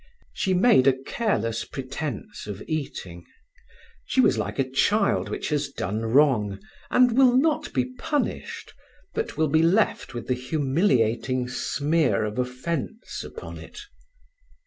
She made a careless pretence of eating. She was like a child which has done wrong, and will not be punished, but will be left with the humiliating smear of offence upon it.